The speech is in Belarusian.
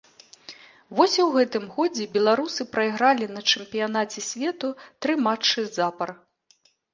Вось і ў гэтым годзе беларусы прайгралі на чэмпіянаце свету тры матчы запар.